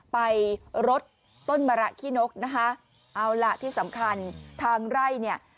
ไปรดต้นมะระขี้นกนะคะเอาล่ะที่สำคัญทางไร่เนี่ย